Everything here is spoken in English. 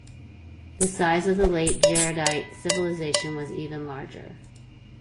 The size of the late Jaredite civilization was even larger.